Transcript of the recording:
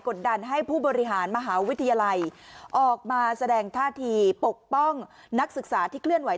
ดันให้ผู้บริหารมหาวิทยาลัยออกมาแสดงท่าทีปกป้องนักศึกษาที่เคลื่อนไหว